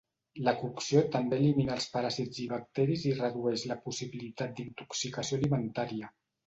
La cocció també elimina els paràsits i bacteris i redueix la possibilitat d'intoxicació alimentària.